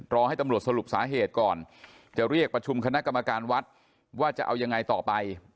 ให้ตำรวจสรุปสาเหตุก่อนจะเรียกประชุมคณะกรรมการวัดว่าจะเอายังไงต่อไป